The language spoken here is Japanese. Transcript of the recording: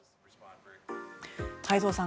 太蔵さん